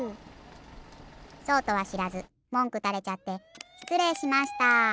そうとはしらずもんくたれちゃってしつれいしました。